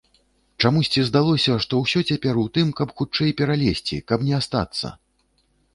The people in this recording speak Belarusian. Чамусьці здалося, што ўсё цяпер у тым, каб хутчэй пералезці, каб не астацца.